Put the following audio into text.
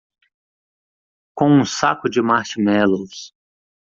Com um saco de marshmallows.